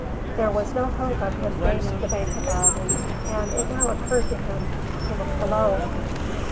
There was no hope of his gaining the bank above, and it now occurred to him to look below.